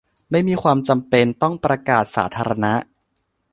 ไม่มีความจำเป็นต้องประกาศสาธารณะ